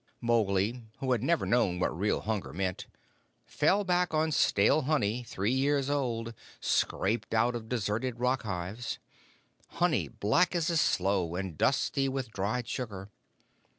Mowgli, who had never known what real hunger meant, fell back on stale honey, three years old, scraped out of deserted rock hives honey black as a sloe, and dusty with dried sugar.